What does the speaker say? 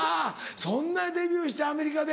そんなデビューしてアメリカで。